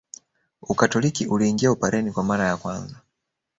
Ukatoliki uliingia Upareni kwa mara ya kwanza